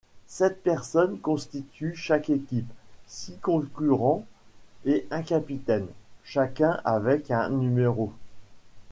Sept personnes constituent chaque équipe, six concurrents et un capitaine, chacun avec un numéro.